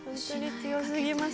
強すぎます。